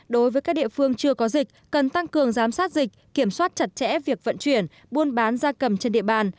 đối với các địa phương chưa có dịch cần tăng cường giám sát dịch kiểm soát chặt chẽ việc vận chuyển buôn bán gia cầm trên địa bàn